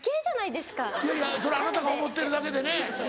いやいやそれあなたが思ってるだけでね。